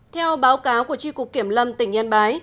theo báo cáo của tri cục kiểm lâm tỉnh yên bái